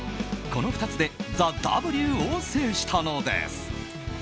この２つで「ＴＨＥＷ」を制したのです。